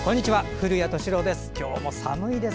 古谷敏郎です。